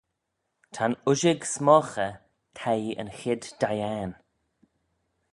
Ta'n ushag s'moghey theiy yn chied dhiane.